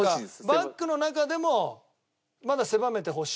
バッグの中でもまだ狭めてほしい？